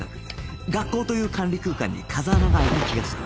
学校という管理空間に風穴が開いた気がする